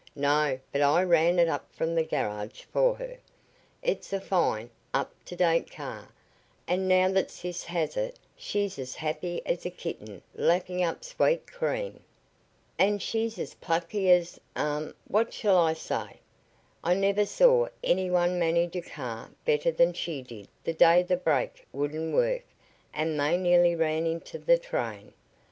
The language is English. "No; but I ran it up from the garage for her. It's a fine, up to date car, and now that sis has it she's as happy as a kitten lapping up sweet cream." "And she's as plucky as um what shall I say? I never saw any one manage a car better than she did the day the brake wouldn't work and they nearly ran into the train.